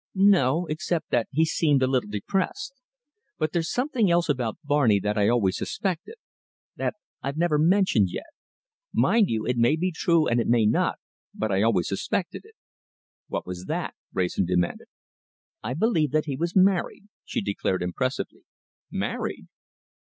"No! except that he seemed a little depressed. But there's something else about Barney that I always suspected, that I've never heard mentioned yet. Mind you, it may be true or it may not, but I always suspected it." "What was that?" Wrayson demanded. "I believe that he was married," she declared impressively. "Married!"